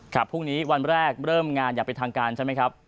พรุ่งนี้วันแรกเริ่มงานอย่างเป็นทางการใช่ไหมครับ